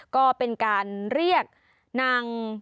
ก็เป็นการเรียกนาง